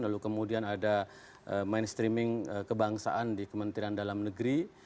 lalu kemudian ada mainstreaming kebangsaan di kementerian dalam negeri